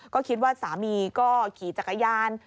ก็คิดว่าสามีก็ขี่จักรยาน